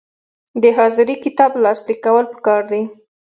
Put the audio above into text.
د حاضري کتاب لاسلیک کول پکار دي